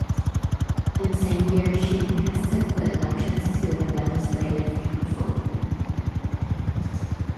In the same year she contested the elections to the Legislative Council.